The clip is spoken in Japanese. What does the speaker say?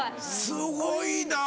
すごいな。